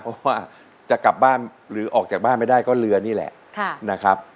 เพราะว่าจะกลับบ้านหรือออกจากบ้านไม่ได้ก็เรือนี่แหละนะครับ